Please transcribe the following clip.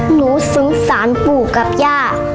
หนูสงสารปู่กับย่า